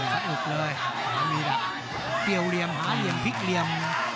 สะอุดเลยตอนนี้ล่ะเตรียวเหลี่ยมหาเหลี่ยมพลิกเหลี่ยม